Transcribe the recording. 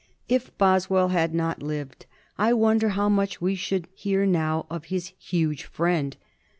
If Boswell had not lived I wonder how much we should hear now of his huge friend?